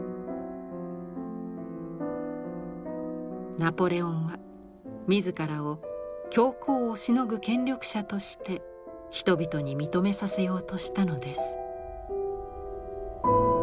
ナポレオンは自らを教皇をしのぐ権力者として人々に認めさせようとしたのです。